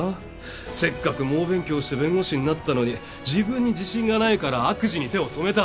せっかく猛勉強して弁護士になったのに自分に自信がないから悪事に手を染めた。